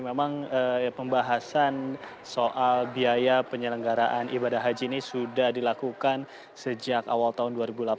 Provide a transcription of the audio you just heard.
memang pembahasan soal biaya penyelenggaraan ibadah haji ini sudah dilakukan sejak awal tahun dua ribu delapan belas